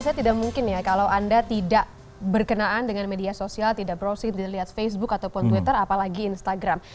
saya tidak mungkin ya kalau anda tidak berkenaan dengan media sosial tidak browsing tidak lihat facebook ataupun twitter apalagi instagram